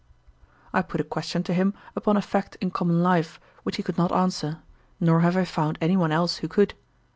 I put a question to him upon a fact in common life, which he could not answer, nor have I found any one else who could.